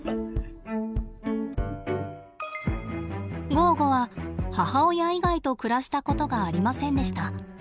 ゴーゴは母親以外と暮らしたことがありませんでした。